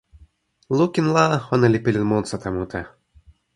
lukin la, ona li pilin monsuta mute.